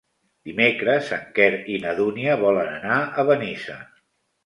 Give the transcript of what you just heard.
Dimecres en Quer i na Dúnia volen anar a Benissa.